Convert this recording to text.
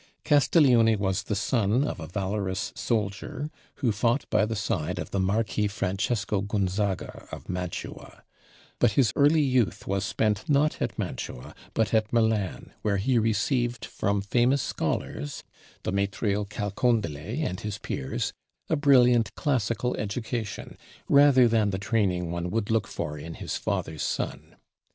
Castiglione was the son of a valorous soldier who fought by the side of the Marquis Francesco Gonzaga of Mantua, but his early youth was spent not at Mantua but at Milan, where he received from famous scholars Demetrio Calcondile and his peers a brilliant classical education, rather than the training one would look for in his father's son.